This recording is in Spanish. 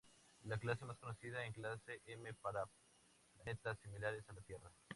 La clase más conocido es clase M para planetas similares a la Tierra.